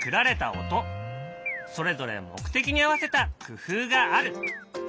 それぞれ目的に合わせた工夫がある。